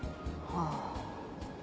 ああ。